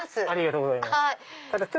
ありがとうございます。